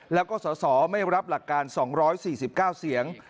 แล้วก็สสไม่รับหลักการ๒๔๙เสียง